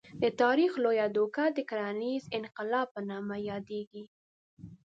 د تاریخ لویه دوکه د کرنیز انقلاب په نامه یادېږي.